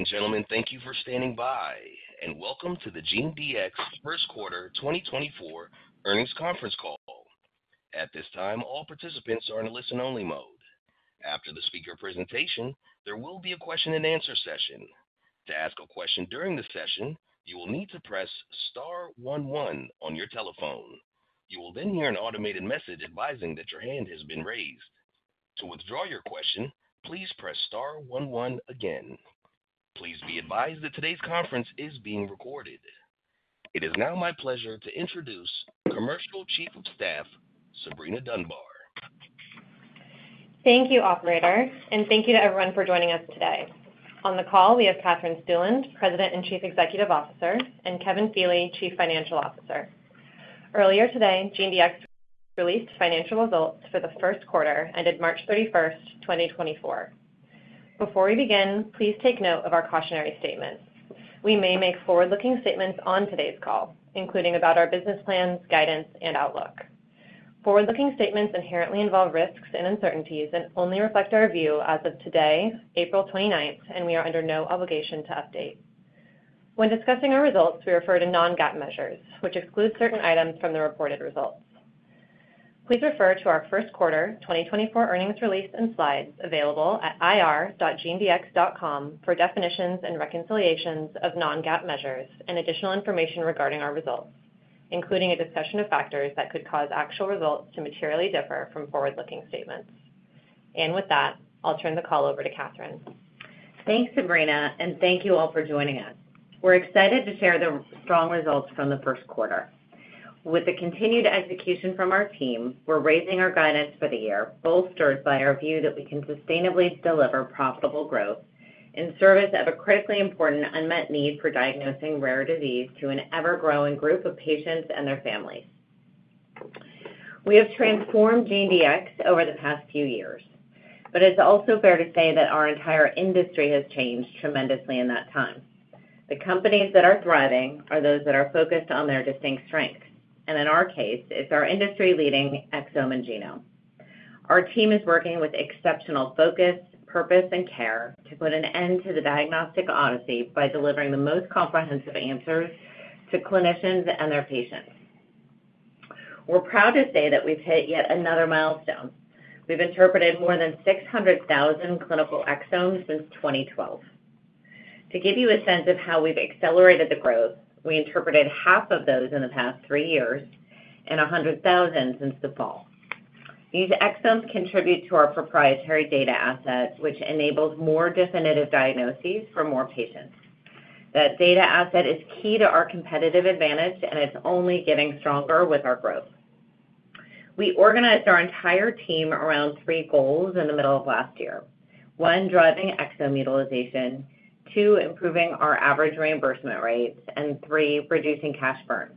Ladies and gentlemen, thank you for standing by, and welcome to the GeneDx first quarter 2024 earnings conference call. At this time, all participants are in a listen-only mode. After the speaker presentation, there will be a question-and-answer session. To ask a question during the session, you will need to press star one one on your telephone. You will then hear an automated message advising that your hand has been raised. To withdraw your question, please press star one one again. Please be advised that today's conference is being recorded. It is now my pleasure to introduce Commercial Chief of Staff, Sabrina Dunbar. Thank you, operator, and thank you to everyone for joining us today. On the call, we have Katherine Stueland, President and Chief Executive Officer, and Kevin Feeley, Chief Financial Officer. Earlier today, GeneDx released financial results for the first quarter, ended March 31, 2024. Before we begin, please take note of our cautionary statements. We may make forward-looking statements on today's call, including about our business plans, guidance, and outlook. Forward-looking statements inherently involve risks and uncertainties and only reflect our view as of today, April 29, and we are under no obligation to update. When discussing our results, we refer to non-GAAP measures, which exclude certain items from the reported results. Please refer to our first quarter 2024 earnings release and slides available at ir.genedx.com for definitions and reconciliations of non-GAAP measures and additional information regarding our results, including a discussion of factors that could cause actual results to materially differ from forward-looking statements. And with that, I'll turn the call over to Katherine. Thanks, Sabrina, and thank you all for joining us. We're excited to share the strong results from the first quarter. With the continued execution from our team, we're raising our guidance for the year, bolstered by our view that we can sustainably deliver profitable growth in service of a critically important unmet need for diagnosing rare disease to an ever-growing group of patients and their families. We have transformed GeneDx over the past few years, but it's also fair to say that our entire industry has changed tremendously in that time. The companies that are thriving are those that are focused on their distinct strengths, and in our case, it's our industry-leading exome and genome. Our team is working with exceptional focus, purpose, and care to put an end to the diagnostic odyssey by delivering the most comprehensive answers to clinicians and their patients. We're proud to say that we've hit yet another milestone. We've interpreted more than 600,000 clinical exomes since 2012. To give you a sense of how we've accelerated the growth, we interpreted half of those in the past three years and 100,000 since the fall. These exomes contribute to our proprietary data asset, which enables more definitive diagnoses for more patients. That data asset is key to our competitive advantage, and it's only getting stronger with our growth. We organized our entire team around three goals in the middle of last year. One, driving exome utilization, two, improving our average reimbursement rates, and three, reducing cash burn.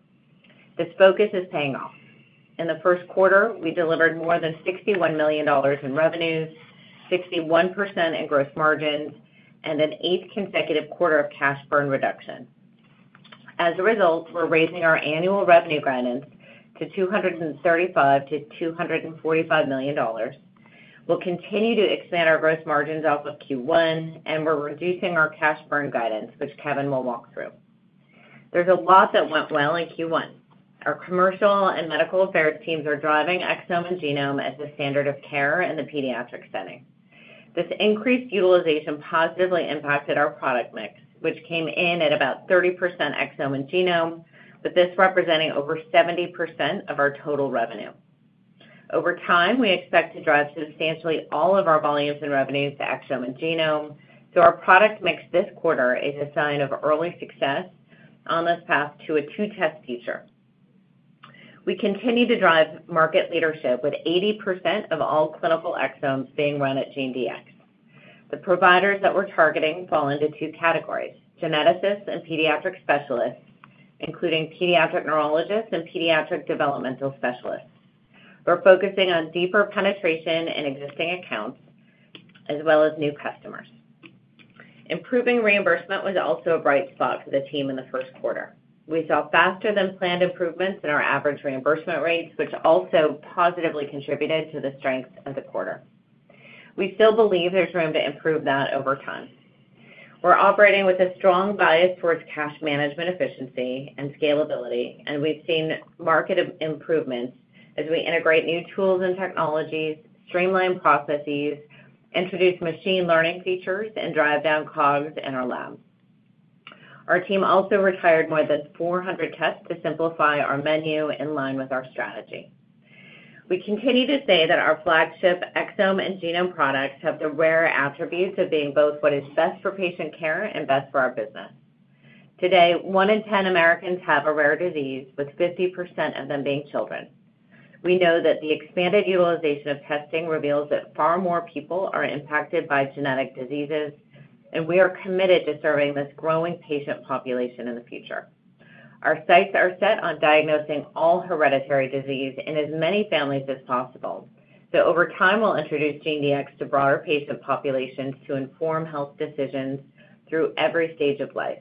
This focus is paying off. In the first quarter, we delivered more than $61 million in revenues, 61% in gross margins, and an eighth consecutive quarter of cash burn reduction. As a result, we're raising our annual revenue guidance to $235 million-$245 million. We'll continue to expand our gross margins off of Q1, and we're reducing our cash burn guidance, which Kevin will walk through. There's a lot that went well in Q1. Our commercial and medical affairs teams are driving exome and genome as the standard of care in the pediatric setting. This increased utilization positively impacted our product mix, which came in at about 30% exome and genome, with this representing over 70% of our total revenue. Over time, we expect to drive substantially all of our volumes and revenues to exome and genome, so our product mix this quarter is a sign of early success on this path to a two-test future. We continue to drive market leadership with 80% of all clinical exomes being run at GeneDx. The providers that we're targeting fall into two categories: geneticists and pediatric specialists, including pediatric neurologists and pediatric developmental specialists. We're focusing on deeper penetration in existing accounts as well as new customers. Improving reimbursement was also a bright spot for the team in the first quarter. We saw faster than planned improvements in our average reimbursement rates, which also positively contributed to the strengths of the quarter. We still believe there's room to improve that over time. We're operating with a strong bias towards cash management efficiency and scalability, and we've seen market improvements as we integrate new tools and technologies, streamline processes, introduce machine learning features, and drive down COGS in our labs. Our team also retired more than 400 tests to simplify our menu in line with our strategy. We continue to say that our flagship exome and genome products have the rare attributes of being both what is best for patient care and best for our business. Today, 1 in 10 Americans have a rare disease, with 50% of them being children. We know that the expanded utilization of testing reveals that far more people are impacted by genetic diseases, and we are committed to serving this growing patient population in the future. Our sights are set on diagnosing all hereditary disease in as many families as possible. So over time, we'll introduce GeneDx to broader patient populations to inform health decisions through every stage of life.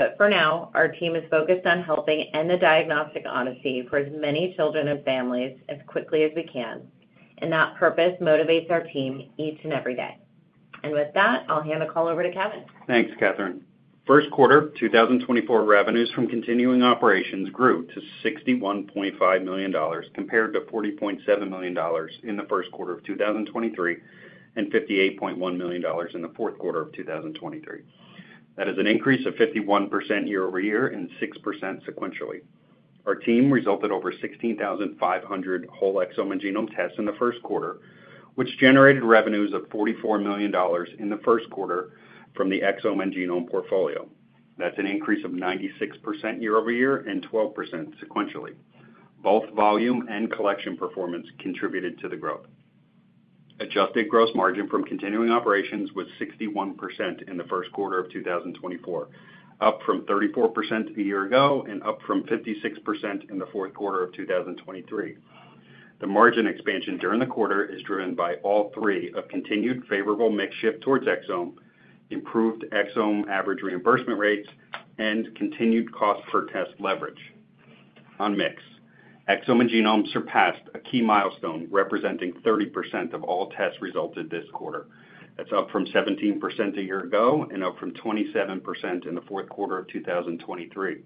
But for now, our team is focused on helping end the diagnostic odyssey for as many children and families as quickly as we can, and that purpose motivates our team each and every day. With that, I'll hand the call over to Kevin. Thanks, Katherine. First quarter 2024 revenues from continuing operations grew to $61.5 million, compared to $40.7 million in the first quarter of 2023, and $58.1 million in the fourth quarter of 2023. That is an increase of 51% year-over-year and 6% sequentially. Our team resulted over 16,500 whole exome and genome tests in the first quarter, which generated revenues of $44 million in the first quarter from the exome and genome portfolio. That's an increase of 96% year-over-year and 12% sequentially. Both volume and collection performance contributed to the growth. Adjusted gross margin from continuing operations was 61% in the first quarter of 2024, up from 34% a year ago and up from 56% in the fourth quarter of 2023. The margin expansion during the quarter is driven by all three: a continued favorable mix shift towards exome, improved exome average reimbursement rates, and continued cost per test leverage. On mix, exome and genome surpassed a key milestone, representing 30% of all test results this quarter. That's up from 17% a year ago and up from 27% in the fourth quarter of 2023.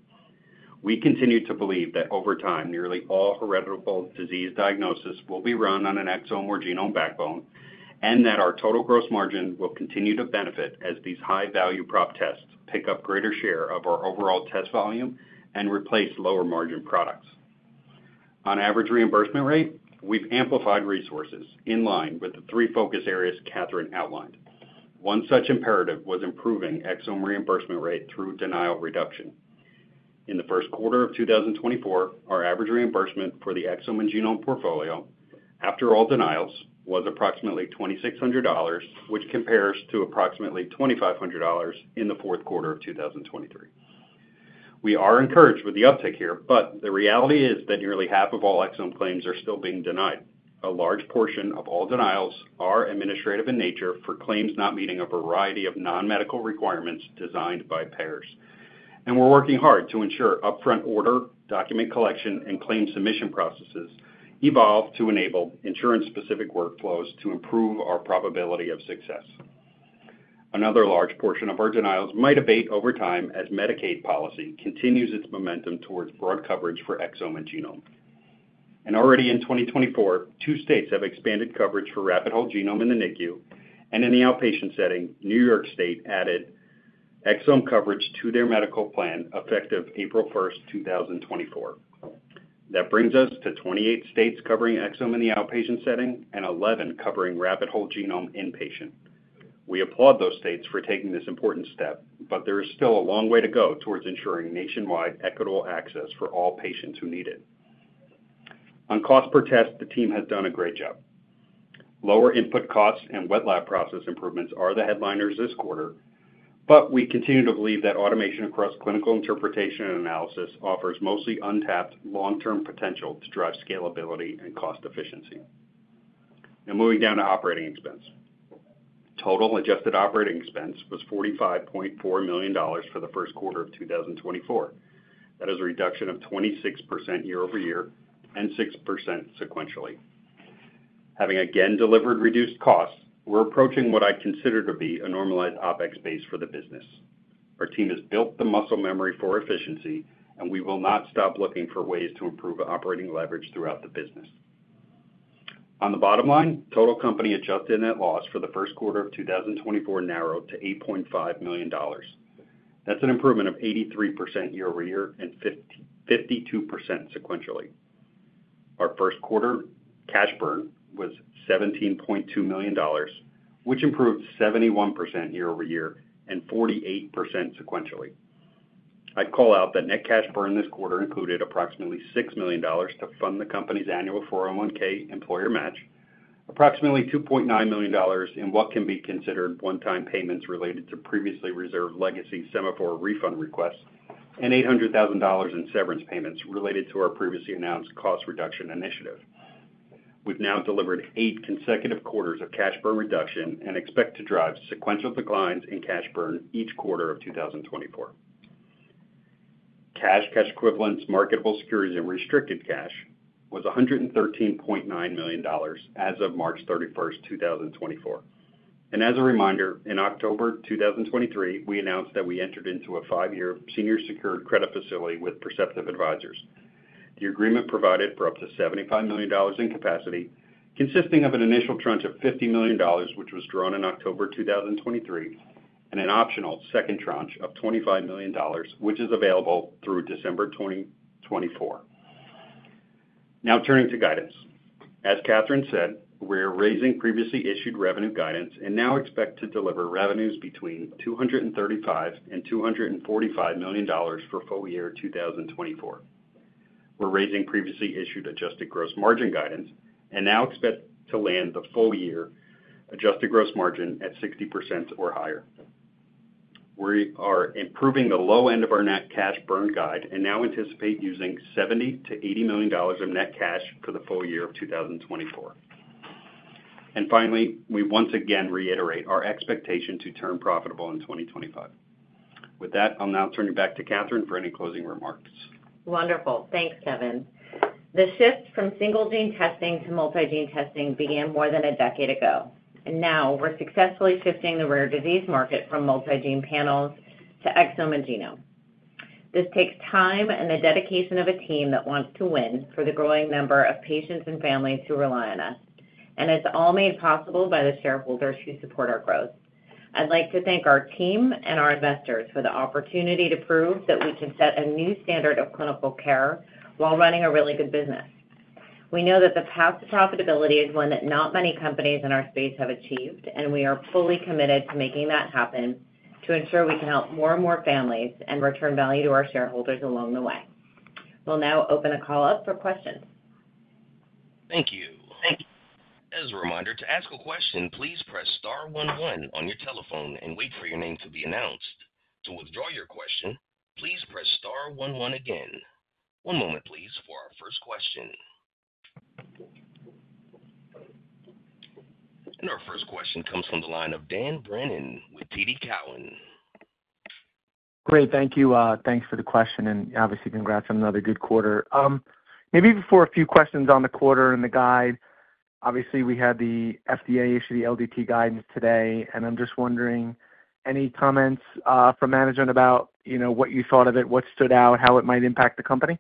We continue to believe that over time, nearly all hereditary disease diagnosis will be run on an exome or genome backbone, and that our total gross margin will continue to benefit as these high-value prop tests pick up greater share of our overall test volume and replace lower-margin products. On average reimbursement rate, we've amplified resources in line with the three focus areas Katherine outlined. One such imperative was improving exome reimbursement rate through denial reduction. In the first quarter of 2024, our average reimbursement for the exome and genome portfolio, after all denials, was approximately $2,600, which compares to approximately $2,500 in the fourth quarter of 2023. We are encouraged with the uptick here, but the reality is that nearly half of all exome claims are still being denied. A large portion of all denials are administrative in nature for claims not meeting a variety of non-medical requirements designed by payers. We're working hard to ensure upfront order, document collection, and claim submission processes evolve to enable insurance-specific workflows to improve our probability of success. Another large portion of our denials might abate over time as Medicaid policy continues its momentum towards broad coverage for exome and genome. Already in 2024, two states have expanded coverage for rapid whole genome in the NICU, and in the outpatient setting, New York State added exome coverage to their Medicaid medical plan, effective April 1st, 2024. That brings us to 28 states covering exome in the outpatient setting and 11 covering rapid whole genome inpatient. We applaud those states for taking this important step, but there is still a long way to go towards ensuring nationwide equitable access for all patients who need it. On cost per test, the team has done a great job. Lower input costs and wet lab process improvements are the headliners this quarter, but we continue to believe that automation across clinical interpretation and analysis offers mostly untapped long-term potential to drive scalability and cost efficiency. Now moving down to operating expense. Total adjusted operating expense was $45.4 million for the first quarter of 2024. That is a reduction of 26% year-over-year and 6% sequentially. Having again delivered reduced costs, we're approaching what I consider to be a normalized OpEx base for the business. Our team has built the muscle memory for efficiency, and we will not stop looking for ways to improve operating leverage throughout the business. On the bottom line, total company adjusted net loss for the first quarter of 2024 narrowed to $8.5 million. That's an improvement of 83% year-over-year and 52% sequentially. Our first quarter cash burn was $17.2 million, which improved 71% year-over-year and 48% sequentially. I'd call out that net cash burn this quarter included approximately $6 million to fund the company's annual 401(k) employer match, approximately $2.9 million in what can be considered one-time payments related to previously reserved legacy Sema4 refund requests, and $800,000 in severance payments related to our previously announced cost reduction initiative. We've now delivered 8 consecutive quarters of cash burn reduction and expect to drive sequential declines in cash burn each quarter of 2024. Cash, cash equivalents, marketable securities, and restricted cash was $113.9 million as of March 31, 2024. As a reminder, in October 2023, we announced that we entered into a five-year senior secured credit facility with Perceptive Advisors. The agreement provided for up to $75 million in capacity, consisting of an initial tranche of $50 million, which was drawn in October 2023, and an optional second tranche of $25 million, which is available through December 2024. Now, turning to guidance. As Katherine said, we're raising previously issued revenue guidance and now expect to deliver revenues between $235 million and $245 million for full year 2024. We're raising previously issued adjusted gross margin guidance and now expect to land the full year adjusted gross margin at 60% or higher. We are improving the low end of our net cash burn guide and now anticipate using $70 million to $80 million of net cash for the full year of 2024. And finally, we once again reiterate our expectation to turn profitable in 2025. With that, I'll now turn it back to Katherine for any closing remarks. Wonderful. Thanks, Kevin. The shift from single-gene testing to multi-gene testing began more than a decade ago, and now we're successfully shifting the rare disease market from multi-gene panels to exome and genome. This takes time and the dedication of a team that wants to win for the growing number of patients and families who rely on us, and it's all made possible by the shareholders who support our growth. I'd like to thank our team and our investors for the opportunity to prove that we can set a new standard of clinical care while running a really good business. We know that the path to profitability is one that not many companies in our space have achieved, and we are fully committed to making that happen, to ensure we can help more and more families and return value to our shareholders along the way. We'll now open the call up for questions. Thank you. Thank you. As a reminder, to ask a question, please press star one one on your telephone and wait for your name to be announced. To withdraw your question, please press star one one again. One moment, please, for our first question. And our first question comes from the line of Dan Brennan with TD Cowen. Great. Thank you. Thanks for the question, and obviously, congrats on another good quarter. Maybe before a few questions on the quarter and the guide, obviously, we had the FDA issue, the LDT guidance today, and I'm just wondering, any comments from management about, you know, what you thought of it, what stood out, how it might impact the company?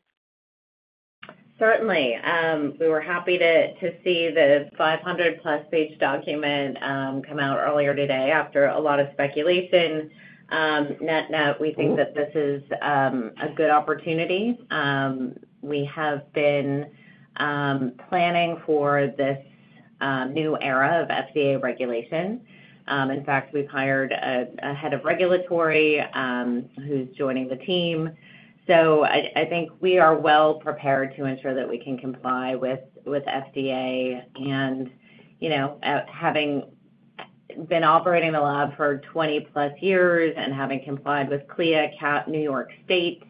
Certainly. We were happy to see the 500+ page document come out earlier today after a lot of speculation. Net net, we think that this is a good opportunity. We have been planning for this new era of FDA regulation. In fact, we've hired a head of regulatory who's joining the team. So I think we are well prepared to ensure that we can comply with FDA and, you know, having been operating the lab for 20+ years and having complied with CLIA, CAP, New York State,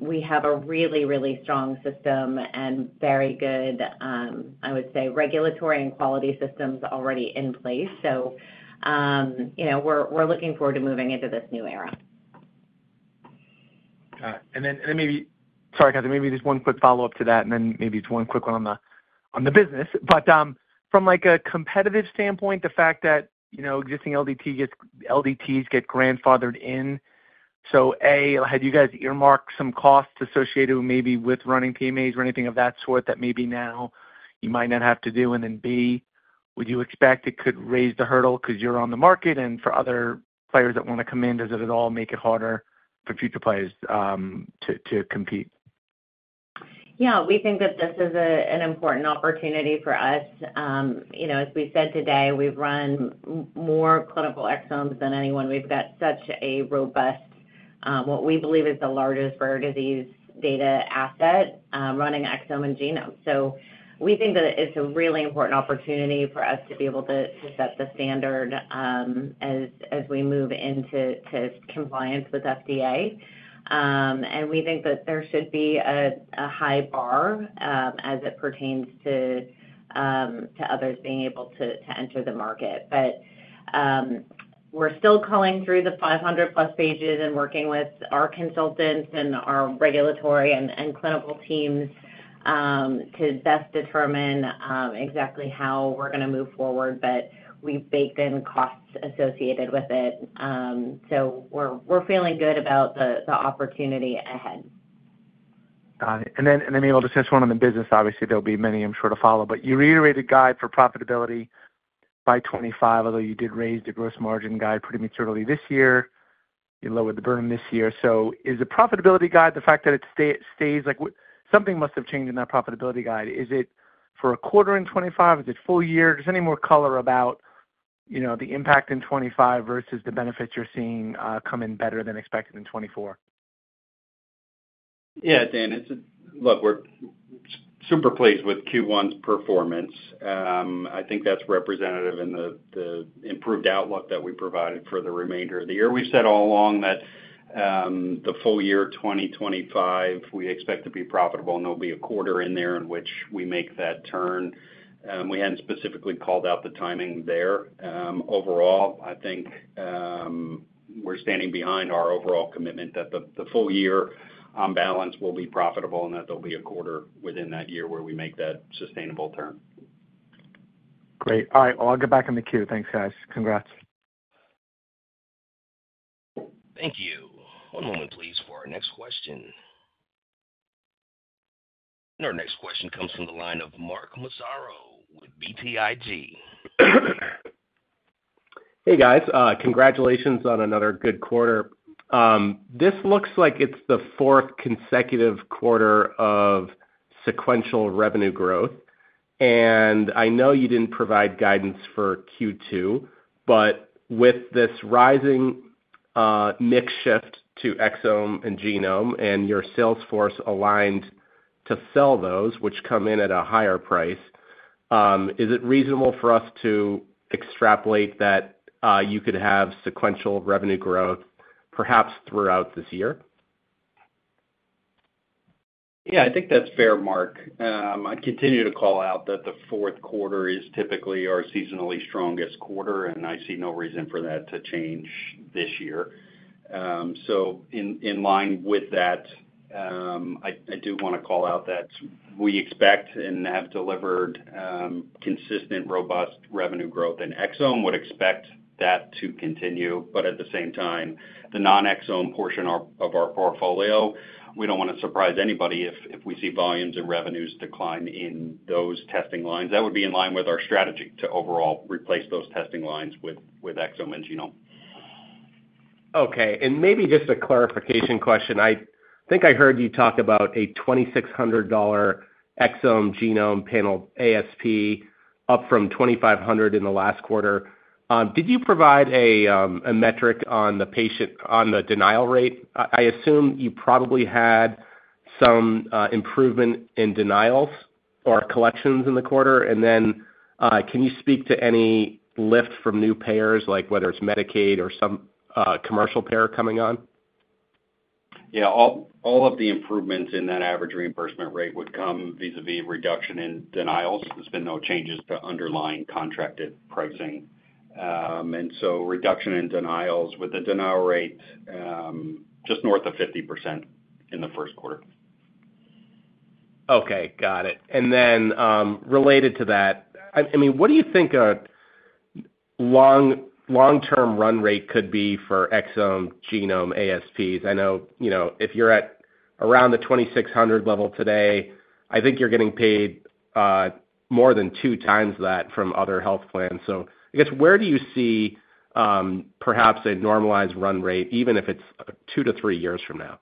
we have a really, really strong system and very good, I would say, regulatory and quality systems already in place. So, you know, we're looking forward to moving into this new era. And then maybe... Sorry, Katherine, maybe just one quick follow-up to that, and then maybe just one quick one on the business. But, from, like, a competitive standpoint, the fact that, you know, existing LDTs get grandfathered in, so A, had you guys earmarked some costs associated with maybe running PMAs or anything of that sort, that maybe now you might not have to do? And then B, would you expect it could raise the hurdle because you're on the market and for other players that want to come in, does it at all make it harder for future players, to compete? Yeah, we think that this is an important opportunity for us. You know, as we said today, we've run more clinical exomes than anyone. We've got such a robust, what we believe is the largest rare disease data asset, running exome and genome. So we think that it's a really important opportunity for us to be able to set the standard, as we move into compliance with FDA. And we think that there should be a high bar, as it pertains to others being able to enter the market. But we're still culling through the 500+ pages and working with our consultants and our regulatory and clinical teams to best determine exactly how we're gonna move forward, but we've baked in costs associated with it. So we're feeling good about the opportunity ahead. Got it. And then, and then maybe just one on the business. Obviously, there'll be many, I'm sure, to follow. But you reiterated guide for profitability by 2025, although you did raise the gross margin guide prematurely this year, you lowered the burn this year. So is the profitability guide, the fact that it stays, like, what? Something must have changed in that profitability guide. Is it for a quarter in 2025? Is it full year? Just any more color about, you know, the impact in 2025 versus the benefits you're seeing come in better than expected in 2024. Yeah, Dan. Look, we're super pleased with Q1's performance. I think that's representative in the improved outlook that we provided for the remainder of the year. We've said all along that the full year, 2025, we expect to be profitable, and there'll be a quarter in there in which we make that turn. We hadn't specifically called out the timing there. Overall, I think we're standing behind our overall commitment that the full year on balance will be profitable and that there'll be a quarter within that year where we make that sustainable turn. Great. All right, well, I'll get back in the queue. Thanks, guys. Congrats. Thank you. One moment, please, for our next question. Our next question comes from the line of Mark Massaro with BTIG. Hey, guys, congratulations on another good quarter. This looks like it's the fourth consecutive quarter of sequential revenue growth, and I know you didn't provide guidance for Q2, but with this rising mix shift to exome and genome and your sales force aligned to sell those, which come in at a higher price, is it reasonable for us to extrapolate that you could have sequential revenue growth perhaps throughout this year? Yeah, I think that's fair, Mark. I continue to call out that the fourth quarter is typically our seasonally strongest quarter, and I see no reason for that to change this year. So in line with that, I do want to call out that we expect and have delivered consistent, robust revenue growth in Exome, would expect that to continue. But at the same time, the non-exome portion of our portfolio, we don't want to surprise anybody if we see volumes and revenues decline in those testing lines. That would be in line with our strategy to overall replace those testing lines with exome and genome. Okay. And maybe just a clarification question. I think I heard you talk about a $2,600 exome genome panel ASP, up from $2,500 in the last quarter. Did you provide a metric on the patient- on the denial rate? I assume you probably had some improvement in denials or collections in the quarter. And then, can you speak to any lift from new payers, like whether it's Medicaid or some commercial payer coming on? Yeah. All, all of the improvements in that average reimbursement rate would come vis-a-vis reduction in denials. There's been no changes to underlying contracted pricing. And so reduction in denials with the denial rate, just north of 50% in the first quarter. Okay, got it. And then, related to that, I mean, what do you think a long, long-term run rate could be for exome, genome, ASPs? I know, you know, if you're at around the $2,600 level today, I think you're getting paid, more than two times that from other health plans. So I guess, where do you see, perhaps a normalized run rate, even if it's two to three years from now?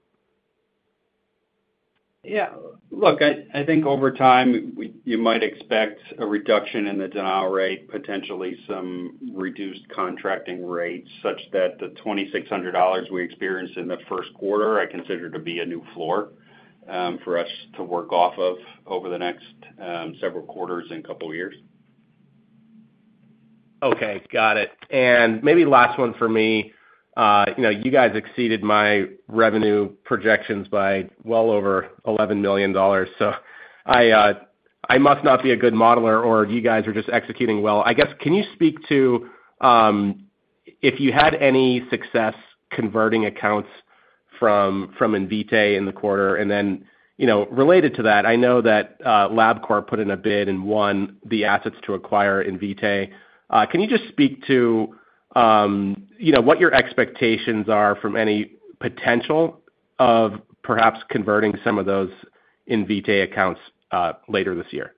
Yeah. Look, I, I think over time, you might expect a reduction in the denial rate, potentially some reduced contracting rates, such that the $2,600 we experienced in the first quarter, I consider to be a new floor, for us to work off of over the next several quarters and couple years. Okay, got it. And maybe last one for me. You know, you guys exceeded my revenue projections by well over $11 million. So I, I must not be a good modeler, or you guys are just executing well. I guess, can you speak to, if you had any success converting accounts from, from Invitae in the quarter? And then, you know, related to that, I know that, Labcorp put in a bid and won the assets to acquire Invitae. Can you just speak to, you know, what your expectations are from any potential of perhaps converting some of those Invitae accounts, later this year?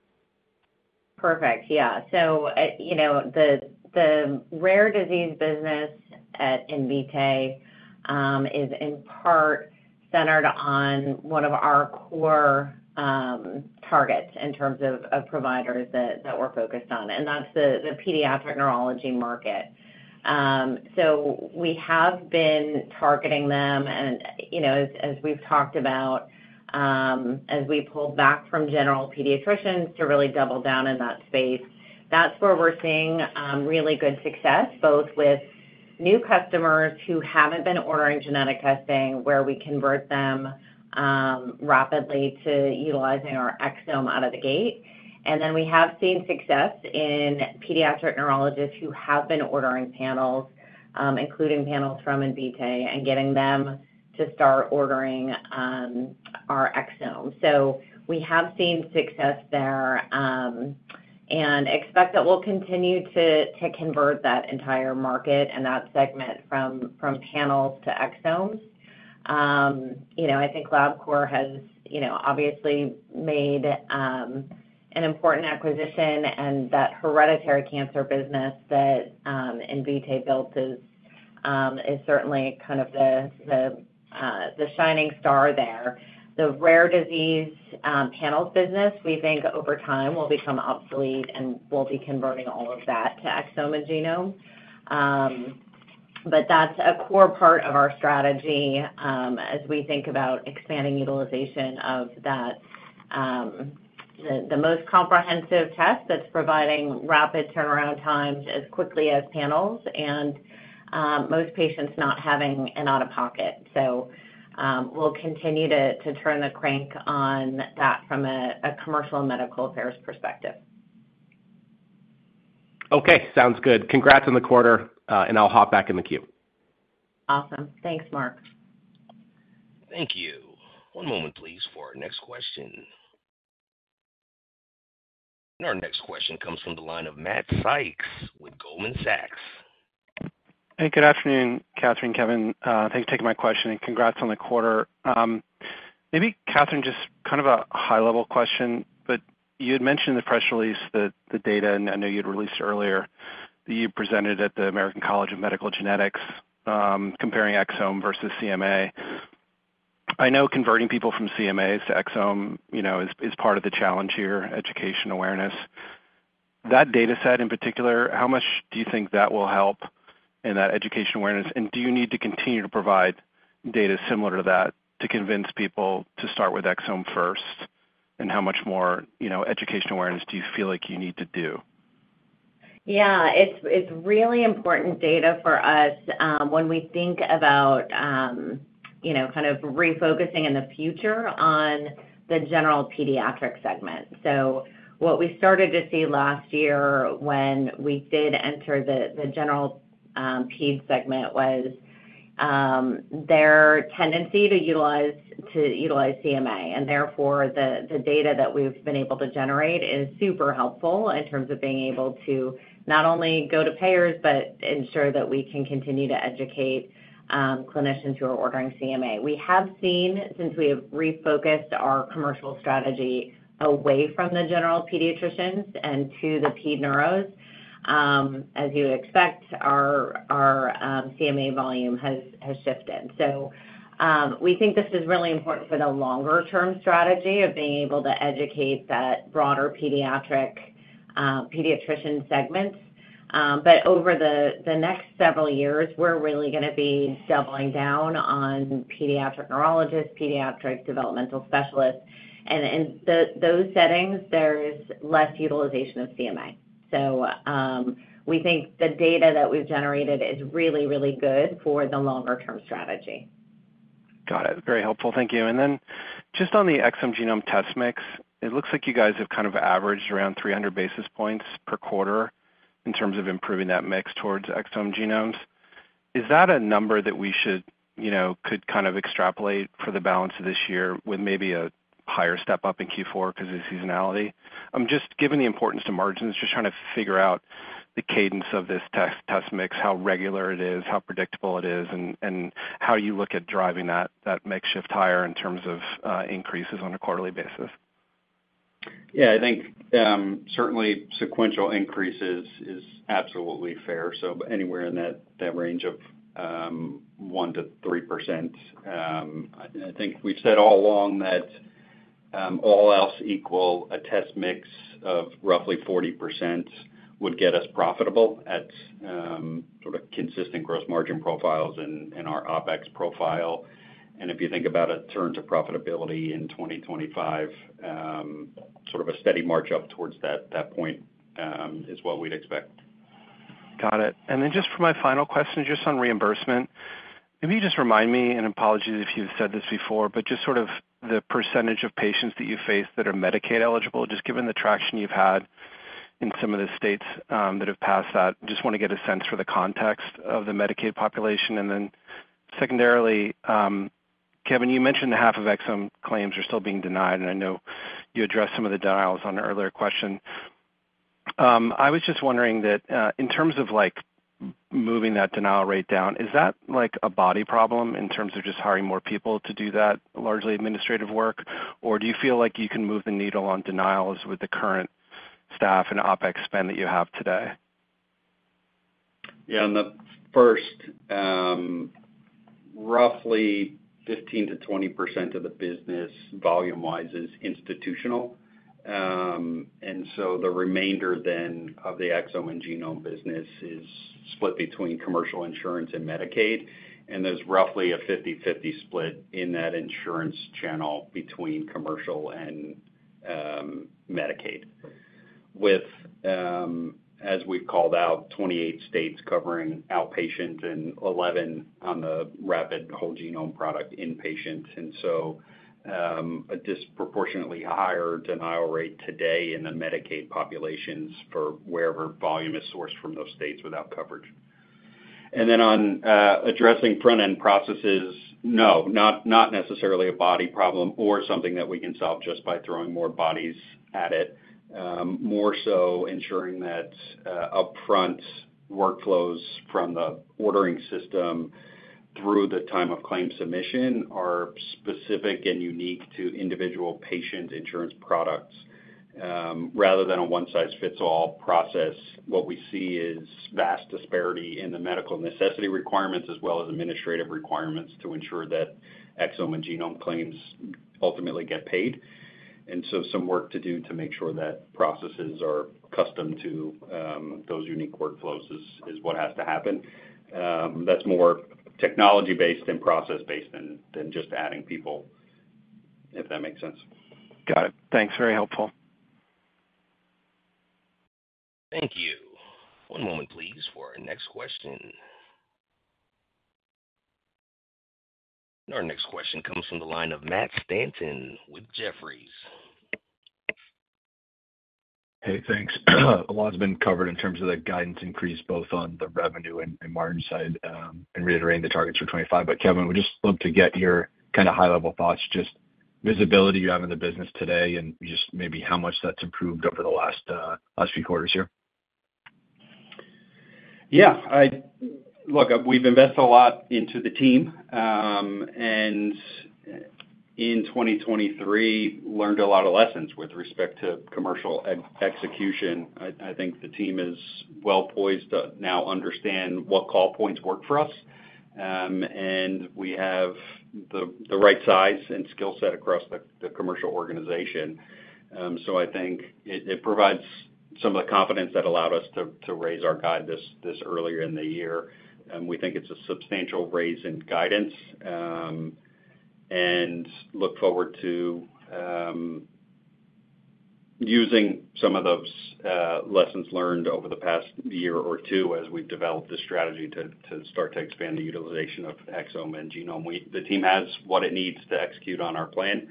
Perfect. Yeah. So, you know, the, the rare disease business at Invitae, is in part centered on one of our core, targets in terms of, of providers that, that we're focused on, and that's the, the pediatric neurology market. So we have been targeting them, and, you know, as, as we've talked about, as we pulled back from general pediatricians to really double down in that space, that's where we're seeing, really good success, both with new customers who haven't been ordering genetic testing, where we convert them, rapidly to utilizing our exome out of the gate. And then we have seen success in pediatric neurologists who have been ordering panels, including panels from Invitae, and getting them to start ordering, our exome. So we have seen success there, and expect that we'll continue to convert that entire market and that segment from panels to exomes. You know, I think Labcorp has, you know, obviously made an important acquisition, and that hereditary cancer business that Invitae built is certainly kind of the shining star there. The rare disease panels business, we think over time, will become obsolete, and we'll be converting all of that to exome and genome. But that's a core part of our strategy, as we think about expanding utilization of that the most comprehensive test that's providing rapid turnaround times as quickly as panels and most patients not having an out-of-pocket. So we'll continue to turn the crank on that from a commercial and medical affairs perspective. Okay. Sounds good. Congrats on the quarter, and I'll hop back in the queue. Awesome. Thanks, Mark. Thank you. One moment, please, for our next question. Our next question comes from the line of Matt Sykes with Goldman Sachs. Hey, good afternoon, Katherine, Kevin. Thanks for taking my question, and congrats on the quarter. Maybe Katherine, just kind of a high-level question, but you had mentioned in the press release that the data, and I know you'd released earlier, that you presented at the American College of Medical Genetics, comparing exome versus CMA. I know converting people from CMAs to exome, you know, is part of the challenge here, education awareness. That data set, in particular, how much do you think that will help in that education awareness? And do you need to continue to provide data similar to that to convince people to start with exome first? And how much more, you know, education awareness do you feel like you need to do? Yeah, it's really important data for us when we think about you know kind of refocusing in the future on the general pediatric segment. So what we started to see last year when we did enter the general ped segment was their tendency to utilize CMA, and therefore the data that we've been able to generate is super helpful in terms of being able to not only go to payers but ensure that we can continue to educate clinicians who are ordering CMA. We have seen, since we have refocused our commercial strategy away from the general pediatricians and to the ped neuros, as you would expect, our CMA volume has shifted. So we think this is really important for the longer-term strategy of being able to educate that broader pediatric pediatrician segment. But over the next several years, we're really gonna be doubling down on pediatric neurologists, pediatric developmental specialists, and in those settings, there's less utilization of CMA. So, we think the data that we've generated is really, really good for the longer-term strategy. Got it. Very helpful. Thank you. And then just on the exome genome test mix, it looks like you guys have kind of averaged around 300 basis points per quarter in terms of improving that mix towards exome genomes. Is that a number that we should, you know, could kind of extrapolate for the balance of this year with maybe a higher step up in Q4 because of seasonality? Just given the importance to margins, just trying to figure out the cadence of this test mix, how regular it is, how predictable it is, and how you look at driving that mix shift higher in terms of increases on a quarterly basis. Yeah, I think, certainly sequential increases is absolutely fair, so anywhere in that, that range of, 1%-3%. I, I think we've said all along that, all else equal, a test mix of roughly 40% would get us profitable at, sort of consistent gross margin profiles and, and our OpEx profile. And if you think about a turn to profitability in 2025, sort of a steady march up towards that, that point, is what we'd expect. Got it. And then just for my final question, just on reimbursement, can you just remind me, and apologies if you've said this before, but just sort of the percentage of patients that you face that are Medicaid eligible, just given the traction you've had in some of the states, that have passed that. Just want to get a sense for the context of the Medicaid population. And then secondarily, Kevin, you mentioned half of exome claims are still being denied, and I know you addressed some of the denials on an earlier question. I was just wondering that, in terms of, like, moving that denial rate down, is that like a body problem in terms of just hiring more people to do that largely administrative work? Or do you feel like you can move the needle on denials with the current staff and OpEx spend that you have today? Yeah, on the first, roughly 15%-20% of the business, volume-wise, is institutional. And so the remainder then of the exome and genome business is split between commercial insurance and Medicaid, and there's roughly a 50/50 split in that insurance channel between commercial and Medicaid. With, as we've called out, 28 states covering outpatient and 11 on the rapid whole genome product inpatient, and so, a disproportionately higher denial rate today in the Medicaid populations for wherever volume is sourced from those states without coverage. And then on addressing front-end processes, no, not necessarily a body problem or something that we can solve just by throwing more bodies at it. More so ensuring that upfront workflows from the ordering system through the time of claim submission are specific and unique to individual patient insurance products, rather than a one-size-fits-all process. What we see is vast disparity in the medical necessity requirements, as well as administrative requirements to ensure that exome and genome claims ultimately get paid. And so some work to do to make sure that processes are custom to those unique workflows is what has to happen. That's more technology-based and process-based than just adding people, if that makes sense. Got it. Thanks. Very helpful. Thank you. One moment, please, for our next question. Our next question comes from the line of Matt Stanton with Jefferies. Hey, thanks. A lot has been covered in terms of the guidance increase, both on the revenue and, and margin side, and reiterating the targets for 2025. But Kevin, would just love to get your kind of high-level thoughts, just visibility you have in the business today and just maybe how much that's improved over the last, last few quarters here. Yeah. Look, we've invested a lot into the team, and in 2023, learned a lot of lessons with respect to commercial execution. I think the team is well poised to now understand what call points work for us, and we have the right size and skill set across the commercial organization. So I think it provides some of the confidence that allowed us to raise our guide this earlier in the year. And we think it's a substantial raise in guidance and look forward to using some of those lessons learned over the past year or two as we've developed the strategy to start to expand the utilization of exome and genome. The team has what it needs to execute on our plan,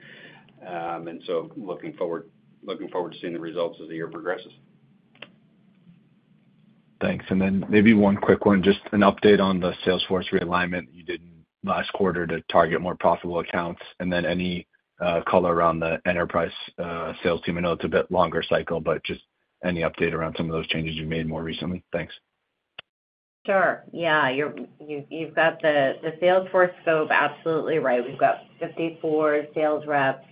and so looking forward, looking forward to seeing the results as the year progresses. Thanks. And then maybe one quick one, just an update on the sales force realignment you did last quarter to target more profitable accounts, and then any color around the enterprise sales team. I know it's a bit longer cycle, but just any update around some of those changes you made more recently? Thanks. Sure. Yeah, you've got the sales force scope absolutely right. We've got 54 sales reps,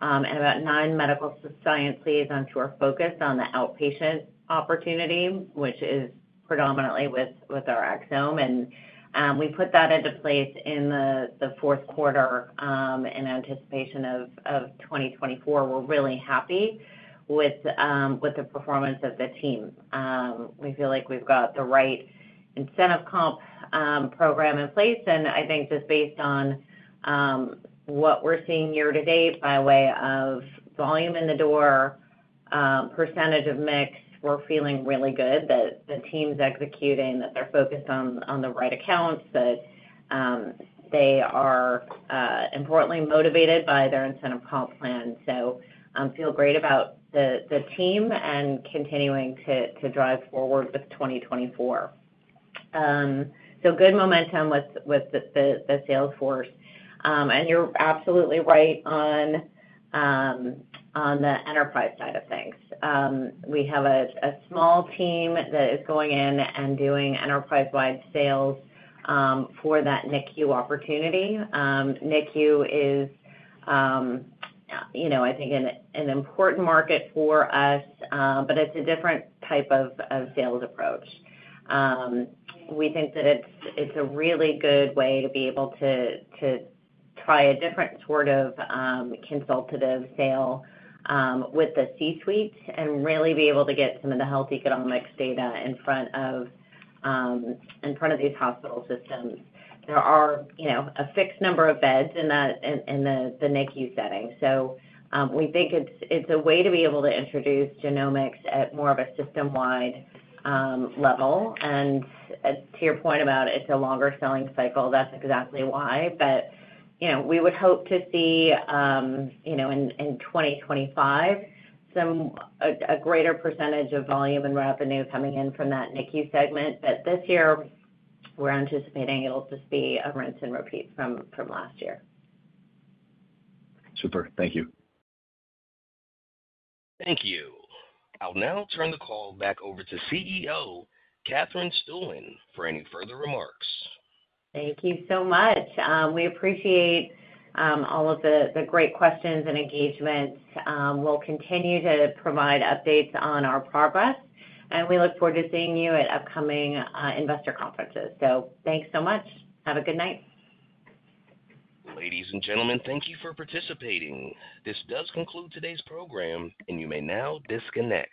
and about nine medical science liaisons who are focused on the outpatient opportunity, which is predominantly with our exome. And, we put that into place in the fourth quarter in anticipation of 2024. We're really happy with the performance of the team. We feel like we've got the right incentive comp program in place, and I think just based on what we're seeing year to date by way of volume in the door, percentage of mix, we're feeling really good that the team's executing, that they're focused on the right accounts, that they are importantly motivated by their incentive comp plan. So, feel great about the team and continuing to drive forward with 2024. So good momentum with the sales force. And you're absolutely right on the enterprise side of things. We have a small team that is going in and doing enterprise-wide sales for that NICU opportunity. NICU is, you know, I think an important market for us, but it's a different type of sales approach. We think that it's a really good way to be able to try a different sort of consultative sale with the C-suite and really be able to get some of the health economics data in front of these hospital systems. There are, you know, a fixed number of beds in the NICU setting, so we think it's a way to be able to introduce genomics at more of a system-wide level. And to your point about it's a longer selling cycle, that's exactly why. But, you know, we would hope to see, you know, in 2025, some a greater percentage of volume and revenue coming in from that NICU segment. But this year, we're anticipating it'll just be a rinse and repeat from last year. Super, thank you. Thank you. I'll now turn the call back over to CEO, Katherine Stueland, for any further remarks. Thank you so much. We appreciate all of the great questions and engagement. We'll continue to provide updates on our progress, and we look forward to seeing you at upcoming investor conferences. So thanks so much. Have a good night. Ladies and gentlemen, thank you for participating. This does conclude today's program, and you may now disconnect.